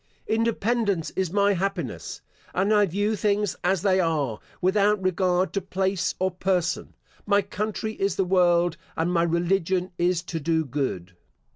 Independence is my happiness, and I view things as they are, without regard to place or person; my country is the world, and my religion is to do good.